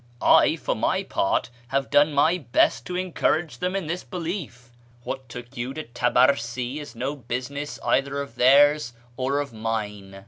' I, for my part, have done my best to encourage them in this belief ; what took you to Tabarsi is no business either of theirs or of mine."